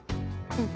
うん。